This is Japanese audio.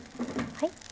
はい。